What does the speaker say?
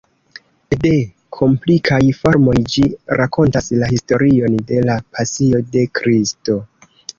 De komplikaj formoj, ĝi rakontas la historion de la Pasio de Kristo.